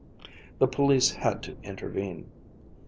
The police had to intervene.